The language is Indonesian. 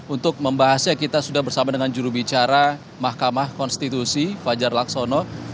untuk membahasnya kita sudah bersama dengan jurubicara mahkamah konstitusi fajar laksono